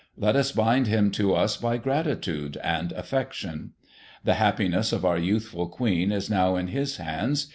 Let us bind him to us by gratitude and affection. The happiness of our youthful Queen is now in his hands.